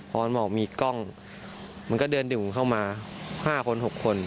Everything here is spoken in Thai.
พอมันบอกมีกล้องมันก็เดินดื่มเข้ามา๕คน๖คน